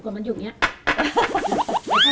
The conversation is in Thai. ของคุณยายถ้วน